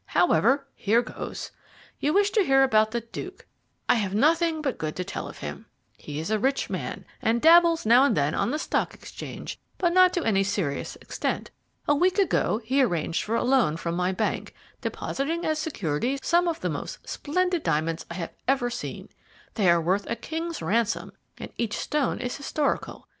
However, here goes. You wish to hear about the Duke I have nothing but good to tell of him. He is a rich man, and dabbles now and then on the Stock Exchange, but not to any serious extent. A week ago he arranged for a loan from my bank, depositing as security some of the most splendid diamonds I have ever seen. They are worth a king's ransom and each stone is historical.